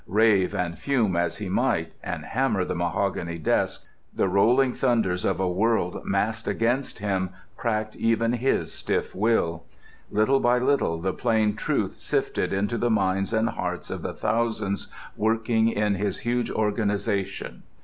Rave and fume as he might, and hammer the mahogany desk, the rolling thunders of a world massed against him cracked even his stiff will. Little by little the plain truth sifted into the minds and hearts of the thousands working in his huge organization.